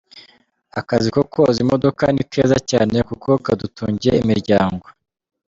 Akazi ko kwoza imodoka ni keza cyane kuko kadutungiye imiryango.